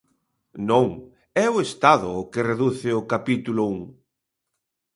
Non, é o Estado o que reduce o capítulo un.